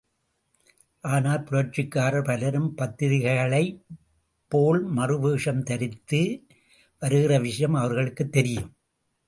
ஆனால் புரட்சிக்காரர் பலரும் பாதிரிகளைப் போல் மாறு வேஷம் தரித்து வருகிற விஷயம் அவர்களுக்குத் தெரியும்.